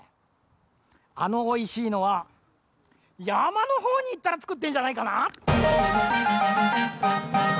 あのおいしいのはやまのほうにいったらつくってんじゃないかな。